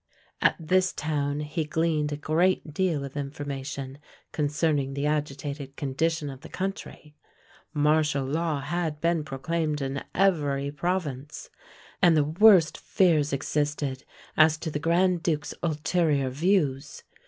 At this town he gleaned a great deal of information concerning the agitated condition of the country. Martial law had been proclaimed in every province; and the worst fears existed as to the Grand Duke's ulterior views.